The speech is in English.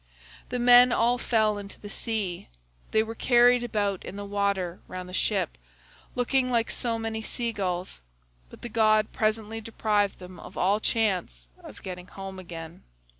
The men all fell into the sea; they were carried about in the water round the ship, looking like so many sea gulls, but the god presently deprived them of all chance of getting home again.